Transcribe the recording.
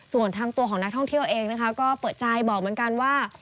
ส่วนทางตัวของนักท่องเที่ยวเองนะคะก็เปิดใจบอกเหมือนกันว่า